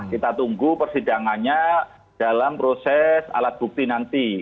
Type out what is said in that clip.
kita tunggu persidangannya dalam proses alat bukti nanti